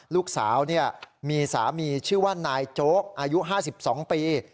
ลูกสาวมีสามีชื่อว่านายโจ๊กอายุ๕๒ปี